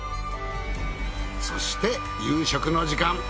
そして夕食の時間。